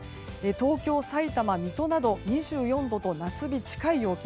東京、さいたま、水戸など２４度と夏日近い陽気。